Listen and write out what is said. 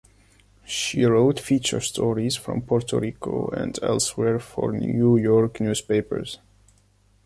She wrote feature stories from Puerto Rico and elsewhere for New York newspapers.